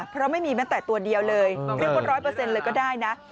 เพราะไม่มีแม้แต่ตัวเดียวเลยเรียกว่า๑๐๐เลยก็ได้นะ